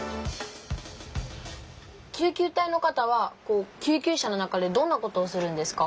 救急隊の方は救急車の中でどんなことをするんですか？